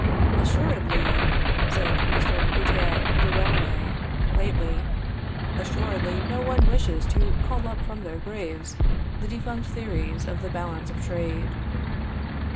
"Assuredly," said Mr. Gauthier de Roumilly, lately, "assuredly no one wishes to call up from their graves the defunct theories of the balance of trade."